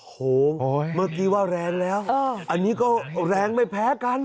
โอ้โหเมื่อกี้ว่าแรงแล้วอันนี้ก็แรงไม่แพ้กัน